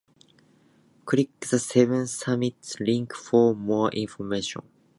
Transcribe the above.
Click the Seven Summits link for more information.